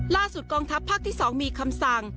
ล่าสุดกองทัพภักดิ์ที่๒มีคำสั่ง